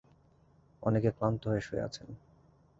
অনেকে ক্লান্ত হয়ে শুয়ে আছেন।